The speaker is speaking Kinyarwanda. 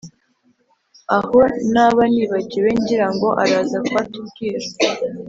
Aho naba nibagiwe ngirango araza kuhatubwira